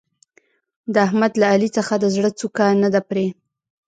د احمد له علي څخه د زړه څوکه نه ده پرې.